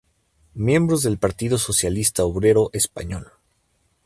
Miembro del Partido Socialista Obrero Español.